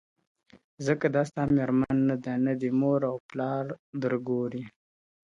• ځکه دا ستا مېرمن نه ده نه دي مور او پلار درګوري -